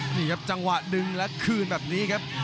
นี่ครับจังหวะดึงและคืนแบบนี้ครับ